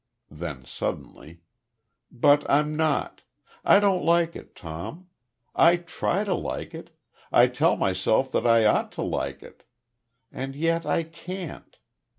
Then, suddenly: "But I'm not. I don't like it, Tom. I try to like it. I tell myself that I ought to like it. And yet I can't.